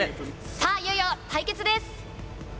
さあ、いよいよ対決です。